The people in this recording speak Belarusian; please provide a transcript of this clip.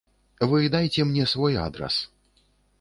Вы дайце мне свой адрас.